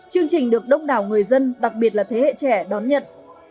chương trình được đông đảo người dân đặc biệt là thế hệ trẻ đón nhận